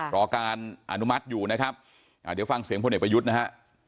รอการอนุมัติอยู่นะครับเดี๋ยวฟังเสียงพลเอกประยุทธ์นะฮะ